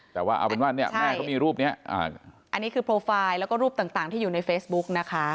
แต่ว่าเอาเป็นว่าเนี่ยแม่ก็มีรูปนี้อันนี้คือโปรไฟล์แล้วก็รูปต่างที่อยู่ในเฟซบุ๊กนะคะ